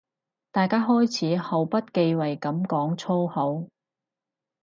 大家開始毫不忌諱噉講粗口